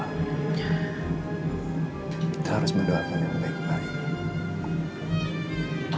kita harus mendoakan dengan baik baik